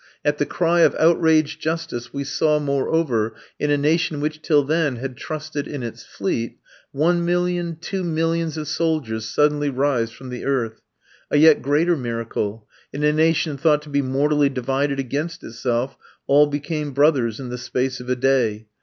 At the cry of outraged justice we saw, moreover, in a nation which till then had trusted in its fleet, one million, two millions of soldiers suddenly rise from the earth. A yet greater miracle: in a nation thought to be mortally divided against itself all became brothers in the space of a day.